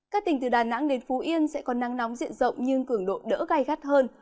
các tỉnh từ đà nẵng đến phú yên sẽ có nắng nóng diện rộng nhưng cường độ đỡ gai gắt hơn